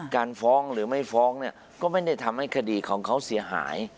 การฟ้องหรือไม่ฟ้องเนี่ยก็ไม่ได้ทำให้คดีของเขาเสียหาย